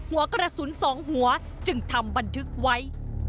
หัวกระสุน๒หัวจึงทำบันทึกไว้